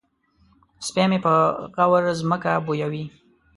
سپی مې په غور ځمکه بویوي.